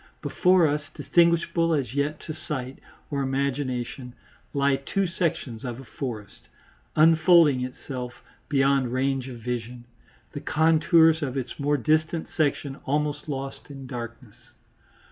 Before us, distinguishable as yet to sight or imagination, lie two sections of a forest, unfolding itself beyond range of vision, the contours of its more distant section almost lost in darkness.